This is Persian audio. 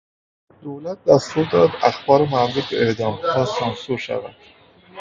دولت دستور داد اخبار مربوط به اعدامها سانسور شود.